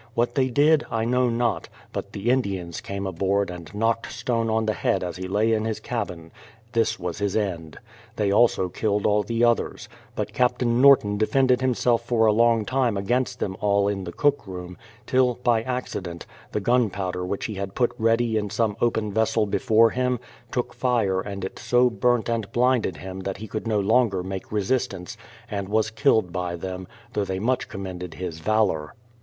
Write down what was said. What they did, I know not; but the Indians came aboard and knocked Stone on the head as he lay in his cabin; this was his end. They also killed all the others, but Captain Norton defended him self for a long time against them all in the cook room, till, by accident, the gunpowder which he had put ready in some open vessel before him, took fire and it so burnt and blinded him that he could no longer make resistance, and 1*, I THE PLYMOUTH SETTLEMENT 261 was killed by them, though they much commended his valour.